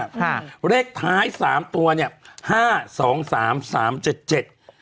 ค่ะเลขท้ายสามตัวเนี้ยห้าสองสามสามเจ็ดเจ็ด